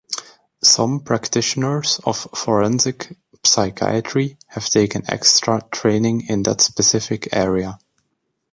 Some practitioners of forensic psychiatry have taken extra training in that specific area.